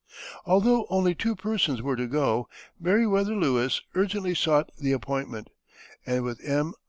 Although only two persons were to go, Meriwether Lewis urgently sought the appointment, and with M.